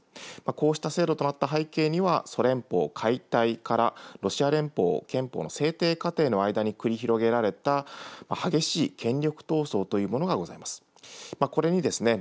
こうした制度となった背景には、ソ連邦解体からロシア連邦、憲法形成の過程に繰り広げられた、激しい権力闘争というものがございます。